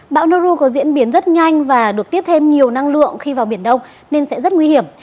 bão noru có diễn biến rất nhanh và được tiếp thêm nhiều năng lượng khi vào biển đông nên sẽ rất nguy hiểm